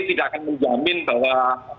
tidak akan menjamin bahwa